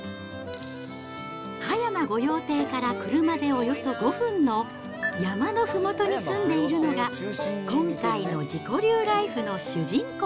葉山御用邸から車でおよそ５分の山のふもとに住んでいるのが、今回の自己流ライフの主人公。